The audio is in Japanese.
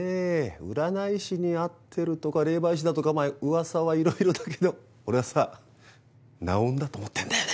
占い師に会ってるとか霊媒師だとかまあうわさはいろいろだけど俺はさナオンだと思ってんだよね。